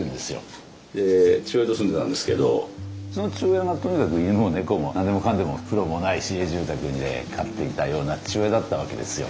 で父親と住んでたんですけどその父親がとにかく犬も猫も何でもかんでも風呂もない市営住宅で飼っていたような父親だったわけですよ。